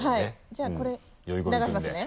じゃあこれ流しますね。